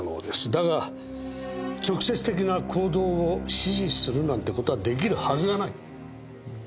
だが直接的な行動を指示するなんてことはできるはずがない。